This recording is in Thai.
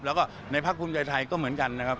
แล้วก็ในภาคภูมิใจไทยก็เหมือนกันนะครับ